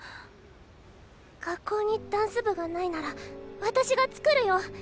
学校にダンス部がないなら私が作るよ。